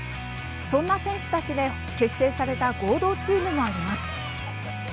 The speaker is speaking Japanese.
そんな選手たちで結成された合同チームもあります。